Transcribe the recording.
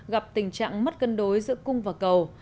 gặp tình trạng mất cân đối giữa cung và cầu